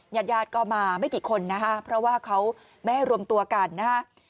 ยัดยาดก็มาไม่กี่คนเพราะว่าเขาแม่รวมตัวกัน